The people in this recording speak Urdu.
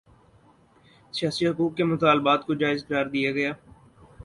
سیاسی حقوق کے مطالبات کوجائز قرار دیا گیا